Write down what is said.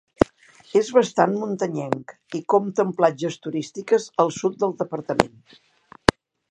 És bastant muntanyenc i compta amb platges turístiques al sud del departament.